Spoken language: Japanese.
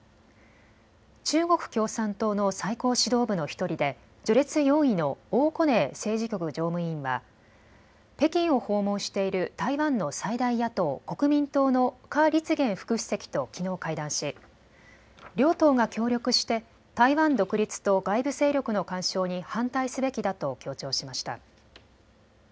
中国共産党の最高指導部の１人で序列４位の王滬寧政治局常務委員は北京を訪問している台湾の最大野党・国民党の夏立言副主席ときのう会談し両党が協力して台湾独立と外部勢力の干渉に反対すべきだと強調しました。